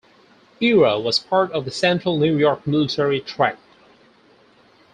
Ira was part of the Central New York Military Tract.